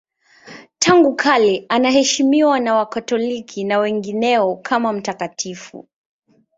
Tangu kale anaheshimiwa na Wakatoliki na wengineo kama mtakatifu.